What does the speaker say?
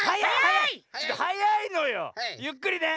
ゆっくりね！